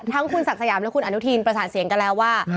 ทั้งคุณศักดิ์สยามและคุณอนุทินประสานเสียงกันแล้วว่า